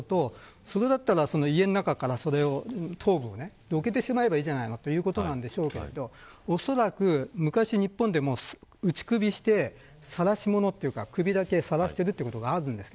そして、家の中から頭部を、どけでしまえばいいじゃないのということですがおそらく、昔、日本でも打ち首して、さらし者というか首だけをさらすということがあるんです。